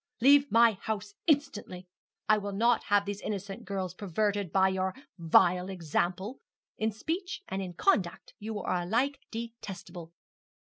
Leave my house instantly. I will not have these innocent girls perverted by your vile example. In speech and in conduct you are alike detestable.'